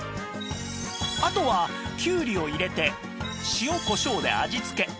あとはきゅうりを入れて塩こしょうで味付け